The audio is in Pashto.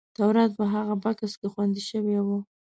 تورات په هغه بکس کې خوندي شوی و.